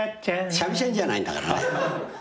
三味線じゃないんだからね。